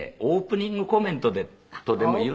オープニングコメントとでも。